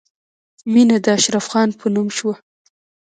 مینه د اشرف خان په نوم شوه